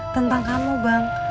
tentang kamu bang